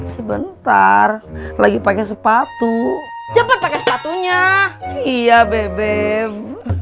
sebentar lagi pakai sepatu cepet cepet punya iya beb